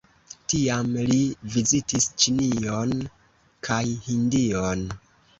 Tiam li vizitis Ĉinion kaj Hindion.